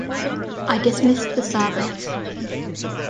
I dismissed the servants.